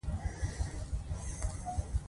څه خوړې؟